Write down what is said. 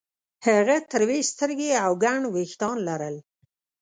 هغه تروې سترګې او ګڼ وېښتان لرل